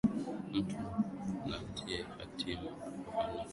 Mtu natiye khatima, fafanua kula kitu